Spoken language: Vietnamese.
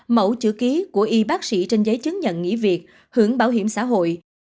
mẫu chữ ký của y bác sĩ trên giấy chứng nhận nghỉ việc hưởng bảo hiểm xã hội